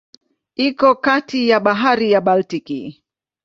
Iko kati ya Bahari ya Baltiki.